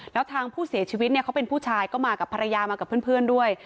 แล้วทางผู้เสียชีวิตเนี่ยเขาเป็นผู้ชายก็มากับภรรยามากับเพื่อนด้วย